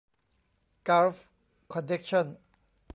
กัลฟ์ คอนเนคชั่น